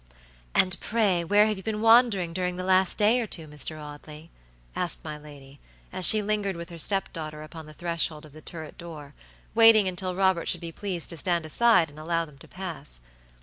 "And pray where have you been wandering during the last day or two, Mr. Audley?" asked my lady, as she lingered with her step daughter upon the threshold of the turret door, waiting until Robert should be pleased to stand aside and allow them to pass.